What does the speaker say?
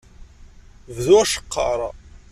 Bdu aceqqer.